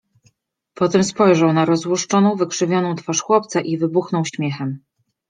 Potem spojrzał na rozzłoszczoną, wykrzywioną twarz chłopca i wybuchnął śmiechem.